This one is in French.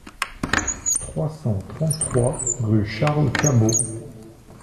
trois cent trente-trois rue Charles Cabaud